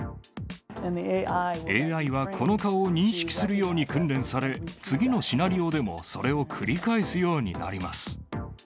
ＡＩはこの顔を認識するように訓練され、次のシナリオでもそれを繰り返すようになります。